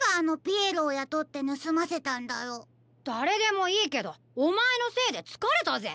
だれでもいいけどおまえのせいでつかれたぜ。